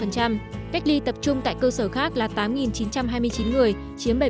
cách ly tập trung tại cơ sở khác là tám chín trăm hai mươi chín người chiếm bảy mươi